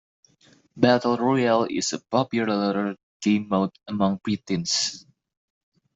Battle Royale is a popular gamemode among preteens.